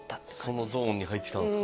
そのゾーンに入ってたんですか？